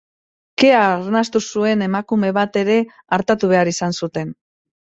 Kea arnastu zuen emakume bat ere artatu behar izan zuten.